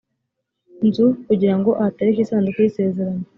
nzu kugira ngo ahatereke isanduku y isezerano